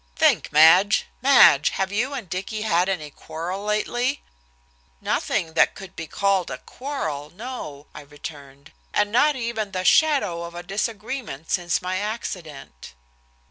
"Think, Madge, Madge, have you and Dicky had any quarrel lately?" "Nothing that could be called a quarrel, no," I returned, "and, not even the shadow of a disagreement since my accident."